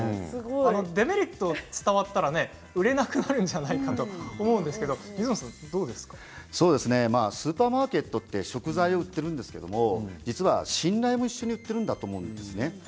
デメリットが伝わったら売れなくなるんじゃないかと思うんですけどスーパーマーケットは食材を売っているんですけど信頼も一緒に売っているんだと思うんですね。